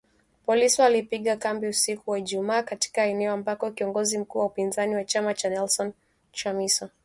Polisi walipiga kambi usiku wa Ijumaa katika eneo ambako kiongozi mkuu wa upinzani wa chama cha Nelson Chamisa